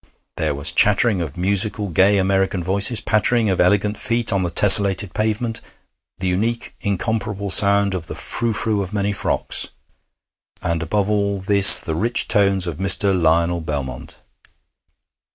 There was chattering of musical, gay American voices, pattering of elegant feet on the tessellated pavement, the unique incomparable sound of the frou frou of many frocks; and above all this the rich tones of Mr. Lionel Belmont.